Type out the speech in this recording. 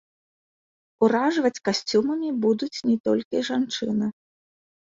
Уражваць касцюмамі будуць не толькі жанчыны.